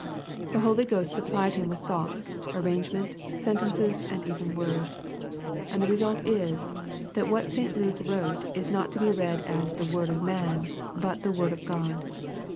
The Hoiy Ghost supplied him with thoughts, arrangement, sentences, and even words. And the result is, that what St. Luke wrote is not to be read as the " word of man," but the " word of God.''